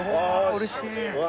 うれしい。